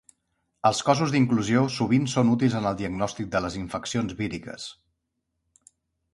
Els cossos d'inclusió sovint són útils en el diagnòstic de les infeccions víriques.